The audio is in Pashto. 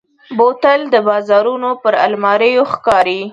بوتل د بازارونو پر الماریو ښکاري.